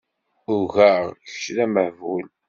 Ugaɣ kečč d abehlul.